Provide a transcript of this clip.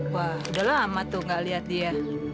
wah udah lama tuh gak lihat dia